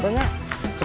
tanggung aja kang